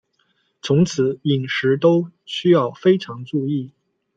从此饮食都需要非常注意